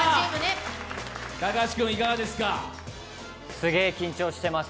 すげぇ緊張してます。